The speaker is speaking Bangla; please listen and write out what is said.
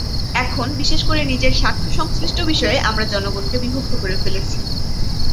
এখন, বিশেষ করে নিজের স্বার্থসংশ্লিষ্ট বিষয়ে আমরা জনগণকে বিভক্ত করে ফেলেছি।